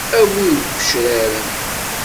A bu yigecraren.